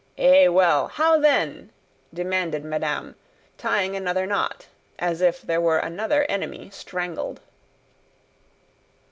"Eh well! How then?" demanded madame, tying another knot, as if there were another enemy strangled.